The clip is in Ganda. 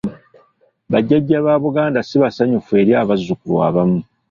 Bajjajja ba Buganda si basanyufu eri abazzukulu abamu.